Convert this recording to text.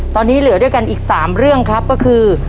ตอนนี้เหลือด้วยกันอีก๓เรื่องครับก็คือ